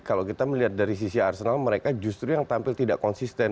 kalau kita melihat dari sisi arsenal mereka justru yang tampil tidak konsisten